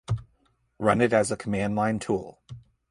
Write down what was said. Run it as a command line tool